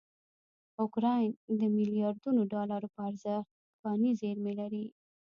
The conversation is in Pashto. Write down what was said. اوکراین دمیلیاردونوډالروپه ارزښت کاني زېرمې لري.